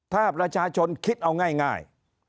ถ้าประชาชนคิดเอาง่าย